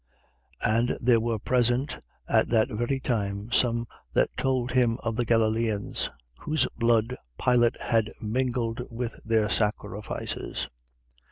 13:1. And there were present, at that very time, some that told him of the Galileans, whose blood Pilate had mingled with their sacrifices.